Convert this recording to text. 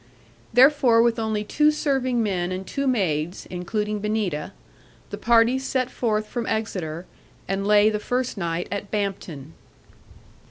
Therefore with only two serving men and two maids (including Benita), the party set forth from Exeter, and lay the first night at Bampton.